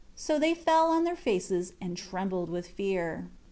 So they fell on their faces, trembled with fear.